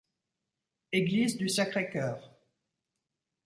Église du Sacré-Cœur.